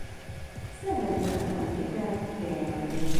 Saint-Denis-ben temették el férje mellé.